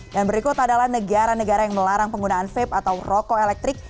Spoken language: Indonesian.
dan berikut adalah negara negara yang melarang penggunaan vape atau rokok elektrik